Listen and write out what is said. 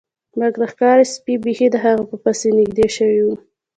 مګر ښکاري سپي بیخي د هغه په پسې نږدې شوي وو